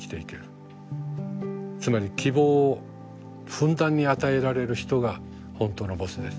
つまり希望をふんだんに与えられる人が本当のボスです。